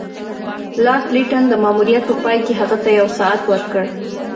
لارډ لیټن د ماموریت په پای کې هغه ته یو ساعت ورکړ.